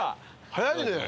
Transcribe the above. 早いね。